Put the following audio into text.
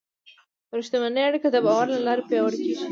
رښتونې اړیکه د باور له لارې پیاوړې کېږي.